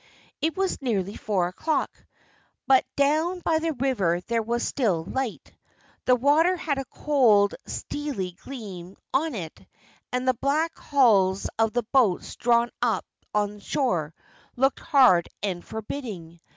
It was nearly four o'clock, but down by the river there was still light. The water had a cold, steely gleam on it, and the black hulls of the boats drawn up on shore, looked hard and forbidding.